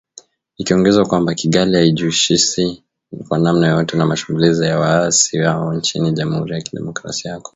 Ikiongezea kwamba “Kigali haijihusishi kwa namna yoyote na mashambulizi ya waasi hao nchini Jamhuri ya Kidemokrasia ya Kongo”